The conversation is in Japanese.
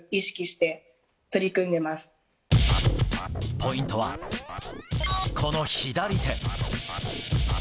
ポイントは、この左手。